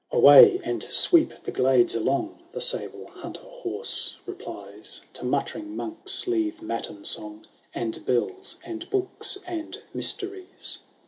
X " Away, and sweep the glades along I" The Sable Hunter hoarse replies ;" To muttering monks leave matin son?, And bells, and books, and mysteries."